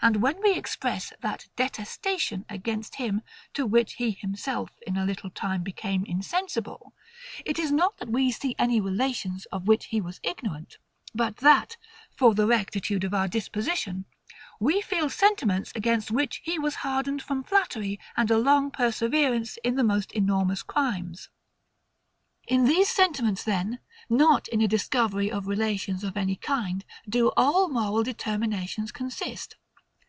And when we express that detestation against him to which he himself, in a little time, became insensible, it is not that we see any relations, of which he was ignorant; but that, for the rectitude of our disposition, we feel sentiments against which he was hardened from flattery and a long perseverance in the most enormous crimes. In these sentiments then, not in a discovery of relations of any kind, do all moral determinations consist.